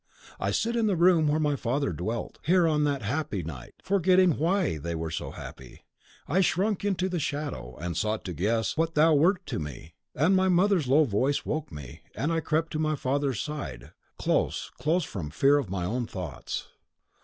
I sit in the room where my father dwelt. Here, on that happy night, forgetting why THEY were so happy, I shrunk into the shadow, and sought to guess what thou wert to me; and my mother's low voice woke me, and I crept to my father's side, close close, from fear of my own thoughts.